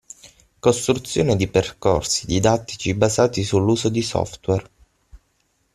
Costruzione di percorsi didattici basati sull'uso di software.